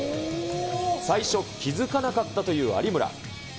最初、気付かなかったという有村。